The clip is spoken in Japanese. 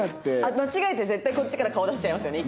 間違えて絶対こっちから顔出しちゃいますよね